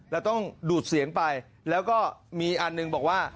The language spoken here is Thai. เราต้องดูดเสียงไปแล้วก็มีอันหนึ่งบอกว่า